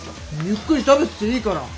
ゆっくり食べてていいから。